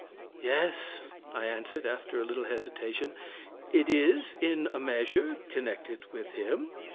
"Yes," I answered, after a little hesitation, "it is, in a measure, connected with him."